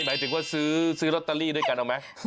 หมายถึงว่าซื้อลอตเตอรี่ด้วยกันเอาไหม